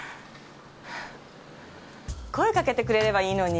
声かけてくれればいいのに。